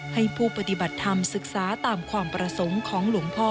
ให้ผู้ปฏิบัติธรรมศึกษาตามความประสงค์ของหลวงพ่อ